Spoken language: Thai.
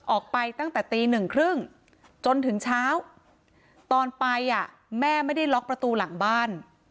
ออกไปตั้งแต่ตีหนึ่งครึ่งจนถึงเช้าตอนไปแม่ไม่ได้ล็อกประตูหลังบ้าน